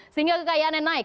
sehingga kekayaannya naik